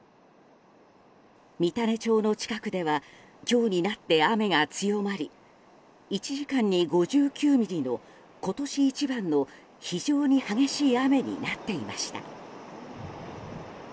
三種町の近くでは今日になって雨が強まり１時間に５９ミリの今年一番の非常に激しい雨になっていました。